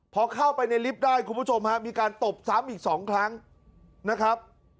พอเข้าไปในลิฟต์ได้คุณผู้ชมฮะมีการตบซ้ำอีก๒ครั้งนะครับ